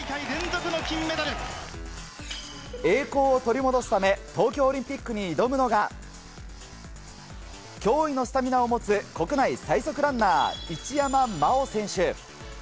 栄光を取り戻すため、東京オリンピックに挑むのが驚異のスタミナを持つ国内最速ランナー・一山麻緒選手。